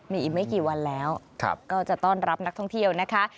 มีอีกไม่กี่วันแล้วก็จะต้อนรับนักท่องเที่ยวนะคะ